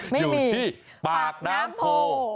อยู่ที่ปากน้ำโพ